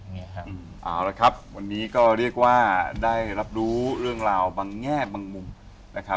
นี่ครับเอาละครับวันนี้ก็เรียกว่าได้รับรู้เรื่องราวบางแง่บางมุมนะครับ